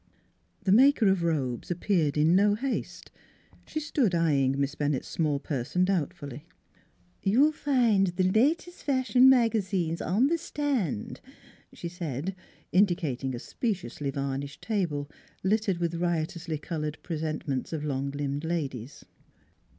The maker of robes appeared in no haste. She 28 NEIGHBORS 29 stood eyeing Miss Bennett's small person doubt fully. ' You'll find the latest fashion magazines on the stand," she said, indicating a speciously var nished table, littered with riotously colored pre sentments of long limbed ladies.